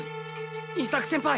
伊作先輩